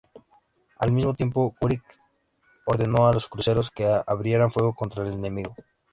Al mismo tiempo, Wright ordenó a los cruceros que abrieran fuego contra el enemigo.